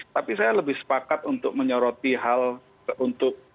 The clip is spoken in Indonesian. tapi saya lebih sepakat untuk menyoroti hal untuk